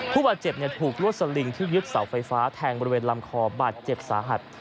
ผู้บาดเจ็บถูกลวดสลิงที่ยึดเสาไฟฟ้าแทงบริเวณลำคอบาดเจ็บสาหัส